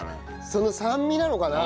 その酸味なのかな？